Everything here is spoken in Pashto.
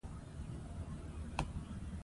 تاریخ د خپل ولس د انساني ارزښتونو ساتونکی دی.